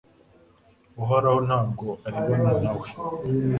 Uhoraho nta bwo arebana na we